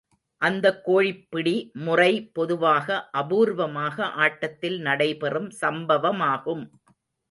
அந்தக் கோழிப்பிடி முறை பொதுவாக அபூர்வமாக ஆட்டத்தில் நடைபெறும் சம்பவமாகும்.